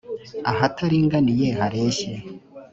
ahataringaniye hareshye